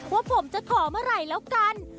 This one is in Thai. ว่าผมจะขอเมื่อไหร่แล้วกัน